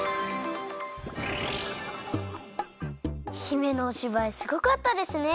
姫のおしばいすごかったですね！